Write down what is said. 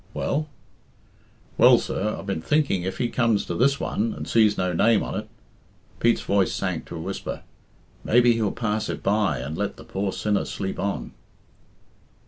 "Well?" "Well, sir, I've been thinking if he comes to this one and sees no name on it" Pete's voice sank to a whisper "maybe he'll pass it by and let the poor sinner sleep on."